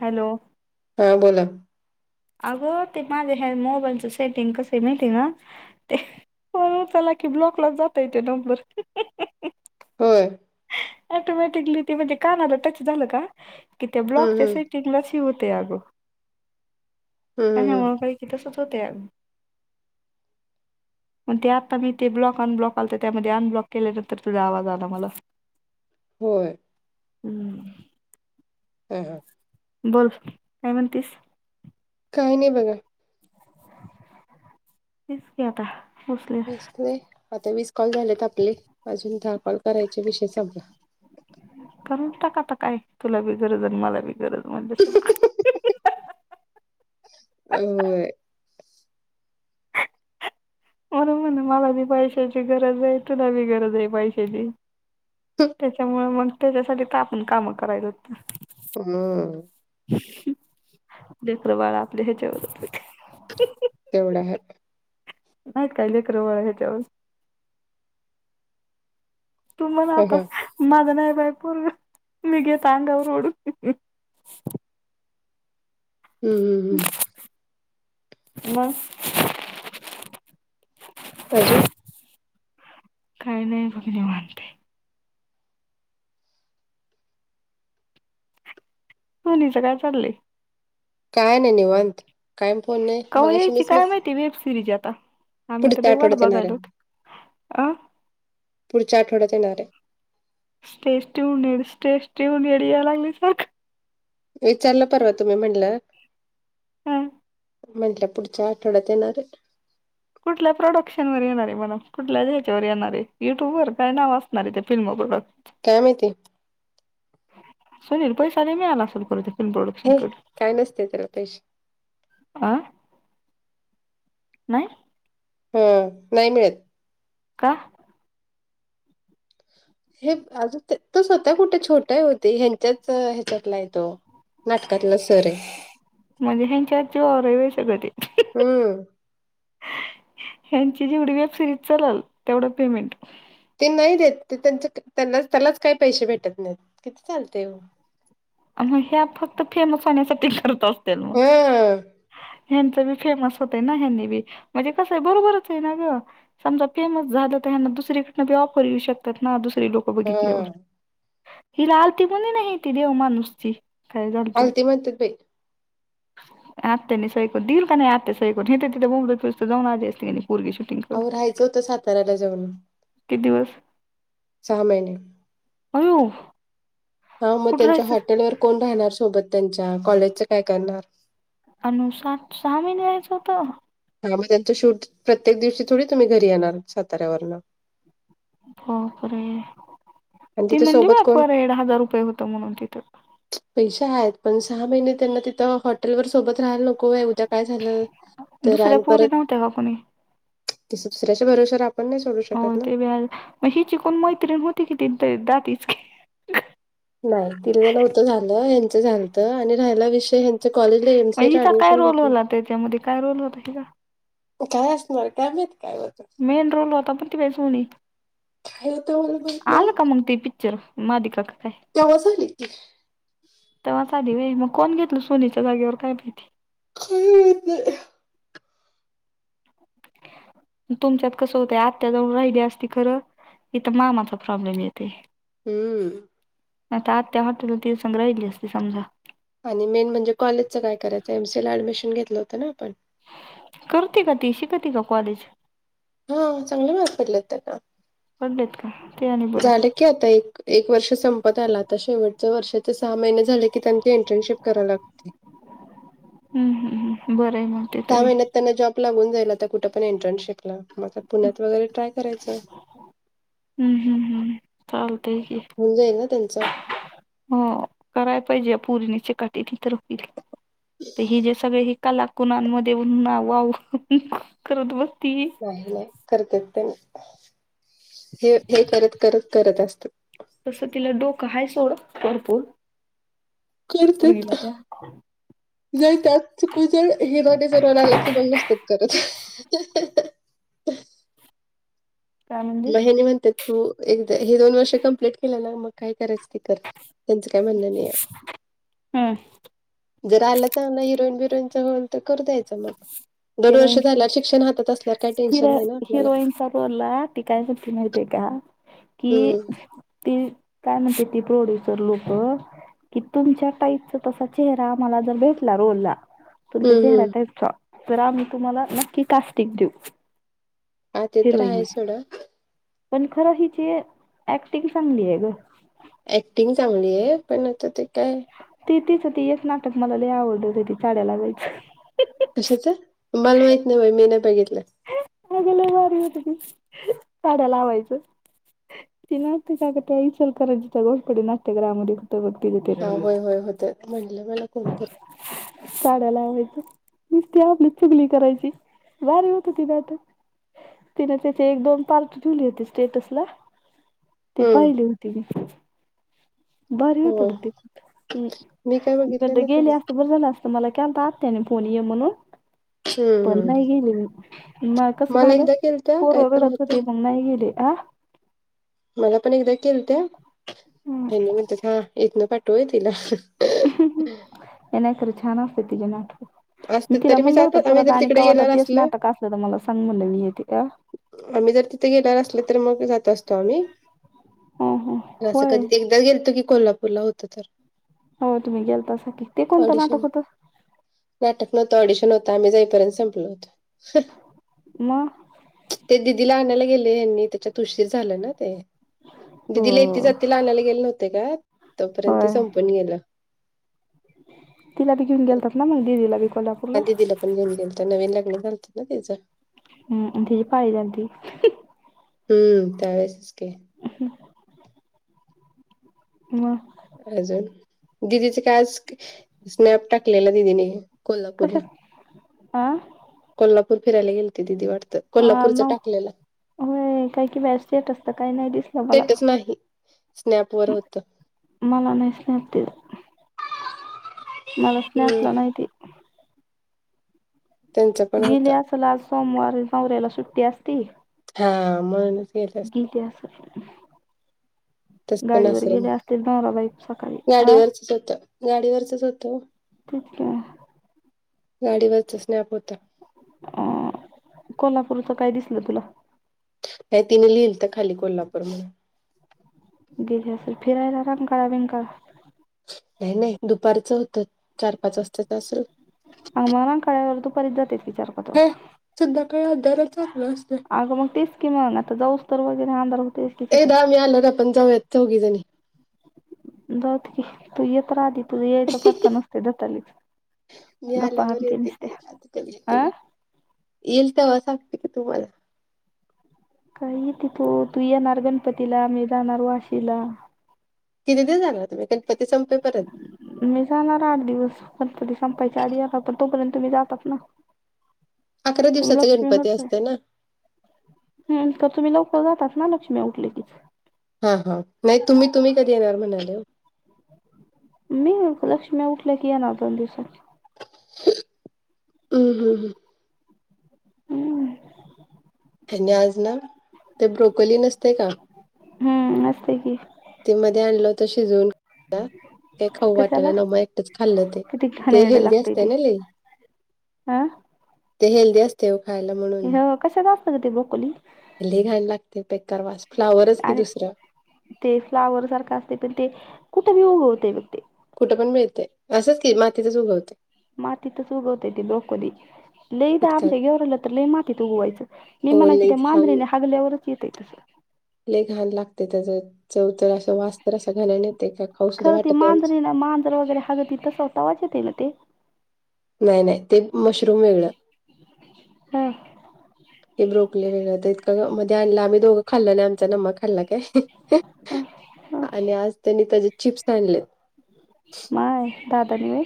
Hello हा बोला अग ते मा दे ख मोबाईलच सेटिंग कस हे माहिती हे का कॉल उचलला की ब्लॉकलाच जातोय तो नंबर हो ऑटोमॅटिकली ते म्हणजे कानाला टच झालं का कि त्या हं, हं. ब्लॉकच्या होते आग हं, हं, हं. तसंच होतंय अगं [inaudible] मग ते आता बी ते ब्लॉक अनब्लॉक आलत त्यामध्ये अनब्लॉक केल्यानंतर तुझा आवाज आला मला होय. हम्म हं... हं बोल काय म्हणतीस काही नाही बघा तेच की आता बसले आता वीस कॉल झालेत आपले, अजून दहा कॉल करायचे विषय संपला. करून टाक आता काय. तुला बी गरज अन मला बी गरज म्हणजे असं अ. व्हय म्हणून म्हटलं मला बी पैशाची गरज ए, तुला बी गरज ए पैशाची त्याच्यामुळं मग, त्याच्यासाठी तर. आपण कामं करायलोत. मग हम्म लेकरं बाळं आपली हेच्यावरच हेत तेवढं हाय नाहीत काय लेकरं बाळं हेच्यावर? तू म्हण हं, आता हं. माझं नाय बाई पोरगं. मी घेतो अंगावर ओढून हम्म हम्म हम्म मग अजून काय नाई बघ निवांत आहे सोनीचं काय चाललंय? काय नाई निवांत कायम फोन नाही. कवा मगाशी यायची मीच काय मेस माहिती वेब सिरीज आता आम्ही तर पुढच्या लई वाट आठवड्यात येणार आहे. बघायलोत आं पुढच्या आठवड्यात येणार ये स्टे ट्यूनएड, स्टे ट्यूनएड यायला लागलंय सारखं विचारलं परवा तुम्ही म्हणलं हा म्हंटलं पुढच्या आठवड्यात येणार ये कुठल्या प्रोडक्शन वर येणार ए म्हणाव. कुठल्या ह्याच्यावर येणारे युट्यूब वर? काय नाव असणार ए, त्या फिल्म प्रोड काय माहीती? सोनीला पैसा लई मिळाला असंल, खरं फिल्म प्रोडक्शन हे कडून काय नसते त्याला पैसे. आं. नाई? होय, नई मिळंत का? हे अजू तो स्वतः कुठं छोटं हाय ओ ते ह्यांच्याच ह्याच्यातला हाय तो नाटकातला सर ए म्हणजे ह्यांच्याच जीवावर हाय व्हय सगळं ते? हम्म्म्म ह्यांची जेवढी वेब सिरीज चालंल, तेवढं पेमेंट ते नाई देत ते त्यांचे त्यांनाच, त्यालाच काय पैशे भेटत नाई किती चालतेय ओ मग, ह्या फक्त फेमस होण्यासाठी करत असत्याल मग हा ह्यांच बी फेमस होतंय ना ह्यांनी बी म्हणजे कसं ए, बरोबरच हाय ना गं समजा फेमस झालं, तर यांना दुसरीकडनं बी ऑफर येऊ शक त्यात ना दुसरी लोकं बघितल्यावर हा हिला आलती म्हणं ना, ही ती देव माणूसची काय झालतं? आलती म्हणतात बाई आत्या न सई करून दिल कणी आत्या सई हितं तिथं [unintelligible] बसतो, जाऊन आली असती की नई पोरगी करून अहो, राहायचं होतं साताऱ्याला जाऊन. किती दिवस सहा महिने होय. हा मग त्यांच्या हॉटेलवर कोण राहणार सोबत त्यांच्या कॉलेजच काय करणार? हा म सा सहा महिने रहायचं होतं. हा मग त्यांचं शूट प्रत्येक दिवशी थोडी तुम्ही घरी येणार साताऱ्यावरनं बापरे, आणि ती तिथे म्हणली सोबत बा, कोण पर हेड हजार रुपये होतं म्हणून तिथं पैशे हायत, पण सहा महिने त्यांना तिथं हॉटेलवर सोबत राहायला नको व्हय, उद्या काय झालं तर दुसऱ्या आणि पोरी परत, नव्हत्या का कोणी दुसऱ्याच्या भरोशावर आपण नाई सोडू शकत हो ना. ते बी हाय मग हिची कोण मैत्रीण होती की, ती दातइचकी नाई, तिले नव्हतं झालं, ह्याचं झालतं आणि राहायला विषय ह्या कॉलेजला एमसी ऍडमिशन घेतलं. त्यामध्ये काय रोल होता हे का. काय असणार काय माहित काय होत. मेन रोल होता पण ती बेसनी काय होतं मला माहित नाही आल का मग त प पिक्चर, मालिका का काय. तेव्हा झाले की. तेव्हा झाली व्हय मग कोण घेतल सोनीच्या जागेवर काय माहिती. काय माहीती. [unintelligible] तुमच्यात कसं होतं आत्त्या जावळ राहिली असती खरं इथ मामाचा प्रॉब्लेम येते. हम्म. आता आत्या हॉटेलला तिच्यासंग राहिली असती समजा. आणि मेन म्हणजे कॉलेजचं काय करायचं एमसीला ऍडमिशन घेतलं होतं ना आपण. करते का ती, शिकती का कॉलेज? हो चांगले मार्क आहेत त्याला. पडलेत का. चव झालं की आता एक. एक वर्ष संपत आला आता शेवटच्या वर्षाचे सहा महिने झाले की त्यांची इंटर्नशिप कराय लागते. हम्म हम्् बरं आहे मग. ते दहा तरी महिन्यात त्यांना जॉब लागून जाईल आता कुठं पण इंटर्नशिपला मग पुण्यात वगैरे ट्राय करायचं. [unintelligible] हम्म हम् हम् चालतंय की. होवून जाईल ना त्यांचा. हो कराय पाहिजे प पुरणीचे कट तर होईल तर हि जे सगळे ह. कलाकुनांमध्ये म्हण ना वाव करत बसती. नाही नाही करतेत त्यां नाही हे हे करत करत करत असत. तसं तिला डोकं हा सोड भरपूर. करते पोरगीला त्या ज त्यात चुकू जळ हेराने जर वणाला की बघ नसते. करत. काय म्हणजे महिन म्हंत. तू एकदा हे दोन वर्ष कंप्लीट केलं ना मग काय करायचं ते कर त्यांचं काय म्हणणं नाही. हम्! जर आलं चांगला हिरोईन बिरोईनचा होल तर करू द्याचं. ग दोन वर्ष हिरोईन झाल्या शिक्षण हातात असल्यावर काही टेन्शन नाही ना आपल्याला सर्वला टिकायवरती माहती का कि हम्म ती काय म्हणते ती प्रोड्युसर लोक कि तुमच्या टाईपचा तसा चेहरा आम्हाला जर भेटला रोलला. तुमच्या हम्म चेहऱ्या हम्म टाईपचा तर आम्ही तुम्हाला नक्की कास्टिक देऊ. हा ते तर हिरोईनी आहे सोडा पण खरं हिची ऍक्टिंग चांगली आहे गं. ऍक्टिंग चांगली आहे पण आता ते काय. ती तिच ती एकच नाटक मला लय आवडलं होत ती चाड्या लावायचं. कशाच? मला माहित नाही बाई मी नाही बघितल. वारी होत ती चाड्या लावायचं. ती नव्हत का गं ते इचलकरंजी त [unintelligible] हा नाट्यगृहात [inaudible] होय होय होते म्हणलं मला कोण कर. चाड्या लावायचं. नुसती आपली चुगली करायची भर होत तिथ आता तिने त्याचे एक दोन पाल्ट ठधुली होती स्टेटस ला ते हम्म पाहिले होती मी बरी होत होय बुी मी काय बघितलं ना ते. गेली असते बरं झालं असत. मला केलता आत्त्याने फोन ये म्हणून. हम्म पण हम्म नाही गेले मग कस मला झालं एकदा केल त्या काय पोरव तर रडत हो होत ते नाही गेले. मला पण एकदा केलं त्या ह म्हणतात हा इथन पाठवय तिला. एण्या कर छान असते तिजे नाट मी असत तिला तरी म्हणल जातो होत आम्ही परत जर आणि तिकडे कवाता गेणार तेच नाटक असलं तर मला सांग म्हणलं मी आम्ही जर तिथे गेणार असल तर मग जात असतो आम्ही. ह ह असं होय कधी ते एकदा गेलतो की कोल्हापूरला होत तर हो तुम्ही गेल तं की ते कोणतं ऑडिशन नाटक होतं. नाटक नव्हतं ऑडिशन होतं आम्ही जाईपर्यंत संपलो होतो. मग? ते दिदीला आणायला गेले यांनी त्याच्यात उशीर झालं ना ते. हो दिदीला येती जातिला आणायला गेले नव्हते का तोपर्यंत ते होय संपून गेलं. तिला बघेऊन गेलतात ना मग दिदीला बी कोल्हापूरला? ण घेनेल नवीन लागल लात ना त त्याचं. हम्म तिची पाळी झालती. हम्म त्यावेळेच की. ह् मग अजून दिदीच काय आज स्नॅप टाकलेला दिदीने. कोल्हापूरला कशात आ कोल्हापूर फिरायला गेलते दिदी वाटतं. ह कोल्हापूरच ना टाकलेला काही कि स्टेटस काही नाही दिसलं मला. स्टेटस नाही स्नॅप वर होतं. मला नाही सनप ती मला हम्म स्नॅपला नाही ती. त्यांचा पण गेली होता असल आज सोमवार नवऱ्याला सुट्टी असती. हा म गीली असल. तस पण असे म नवरा बायको सकाळी हा गाडीवरचच होत गाडीवरचच होतं. त्यातक गाडीवरच स्नॅप होत. अ कोल्हापूरच काय दिसलं तुला? काय तिनें लिहिल खाली कोल्हापूर म्हणून. गेली असल फिरायला रंकाळा बिंकाळा. नाही नाही दुपारचं होतं चार पाच वाजताच असल. अग मग रकांळ्यावर वर दुपारीच जात्यात की चार पाच वाजता. सध्या काळ हदर चाललं असत. अगं मग तेच की म आता जाऊस तर वगैरे आंधार होतेच की तिथ. एकदा आम्ही आल्यावर आपण जाऊयात चौघी जणी जाउ दे की तू येत राह आधी तूझ यायघ तो पत्ता नुसते दतालीच मी गप्पा आल्यावर आणते येते नसते अं येल तेवा सागतिक तुम्हाला. काही तिथू तू येणार गणपतीला मी जाहणार वाशीला. किती दि झाणार तुम्ही गणपती संपे परत? मी जाणार आठ दिवस गणपती संपायच्या आधी आ पण तोपर्यंत मी जातात ना. अकरा तुम्ही दिवसाचा लक्ष्मी गणपती होटल. असतोय ना हम तर तुम्ही लवकर जातात ना लक्ष्मी उठली की. हा हा नाही तुम्ही तुम्ही कधी येणार म्हणाले. मी लक्ष्मी्या उठल्या की येनार दोन दिवसात. हम् हम् हम् हम् आणि आज ना ते ब्रोकली नसते का? हम्म नस्त की ते मध्ये आणलं तर शिजवून. का खाऊ वाटाला कशाला नम एकटंच खाल्लं ते किती ते घाणेरडं हेल्दी असतय ना लि आह ते हेल्दी असते खायला म्हणून कशाात असतं ग ते ब्रोकली ल घायण लागते पेक करवास फ्लावरच की आणि दुसरं. ते फ्लावर सारखा असते पण ते कुठे बी उोग होते बघ ते कुठं पण मिळते असंच की मातीतच च उगवते. माती तर च उगवत त ोकोली. लई द इतकाच आमच्या घेवर आलं तर लई मातीत उगवायचं मी अहो म्हणायची लई त्या घाण मांजरीने हगल्यावरच किेत त घान लागते त्याच चौथ असं वा खरं ते मांजरी आमचं मांजर वगैरे हगती तसं होता वाच येत आहे ना ते नाही नाही ते मशरूम वेगळं. ह हे ब्रोकले वगरे तर इतकां मध्ये आणला आम्ही दोघं खाल्ल नाही आमचा नम् खाल्ला काय? अ आणि आज त्यांनी त्याचे चिप्स आणले. माय दादा नि बा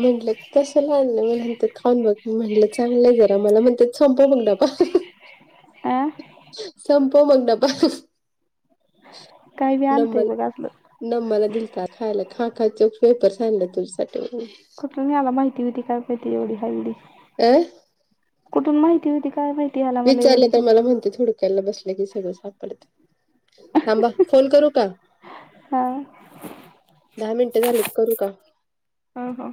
म्हंटलं कशाला आणलं मला ते खाऊन बघ म्हटलं चांगलंय जरा मला म्हण ते संप बग डपा अं संपो मग नाप काही बी आणतय नमल बघ असलं नं मला दिलतात खायला खा खायचे पेपरस आणले तुझ्यासाठीण खुत नाही आला माहिती होती काय माहिती एवढी खाल्ली. अ कुठून माहिती होती काय माहिती ह्याला मला विचारलं एवढी तर मला म्हणते थोडक्याला बसलं की सगळं सापडते. थांबा फोन करू का? हां दहा मिनटे झालेत करू का? हो हो